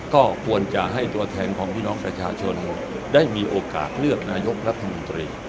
ก็ควรจะให้ตัวแทนของพี่น้องประชาชนได้มีโอกาสเลือกนายกรัฐมนตรี